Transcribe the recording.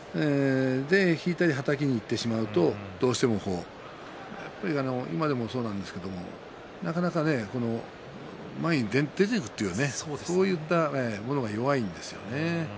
引いたり、はたきにいってしまうと、どうしてもやっぱり今でもそうなんですけど、なかなか前に出ていくというそういったものが弱いんですよね。